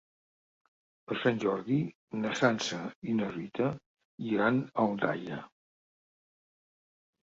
Per Sant Jordi na Sança i na Rita iran a Aldaia.